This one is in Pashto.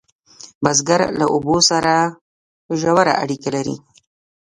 بزګر له اوبو سره ژوره اړیکه لري